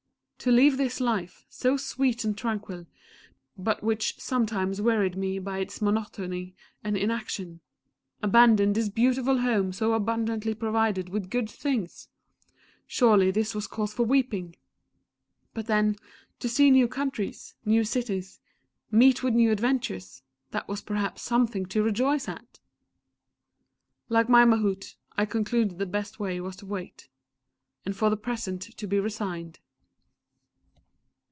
To leave this life, so sweet and tranquil, but which sometimes wearied me by its monotony and inaction.... Abandon this beautiful home so abundantly provided with good things!... Surely this was cause for weeping! But then, to see new countries, new cities, meet with new adventures that was perhaps something to rejoice at! ... Like my Mahout, I concluded the best way was to wait and for the present to be resigned.